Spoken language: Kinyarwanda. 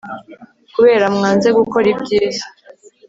kubera mwanze gukora ibyiza